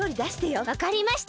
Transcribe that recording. わかりました！